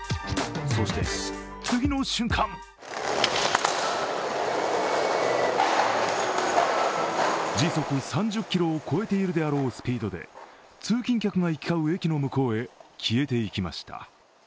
そして、次の瞬間時速３０キロを超えているであろうスピードで通勤客が行き交う駅の向こうへ消えていきました。